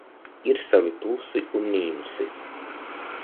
Ir savi plusi un mīnusi.